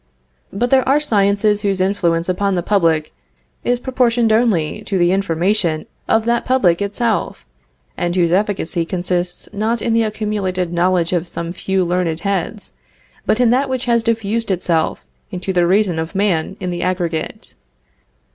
But there are sciences whose influence upon the public is proportioned only to the information of that public itself, and whose efficacy consists not in the accumulated knowledge of some few learned heads, but in that which has diffused itself into the reason of man in the aggregate.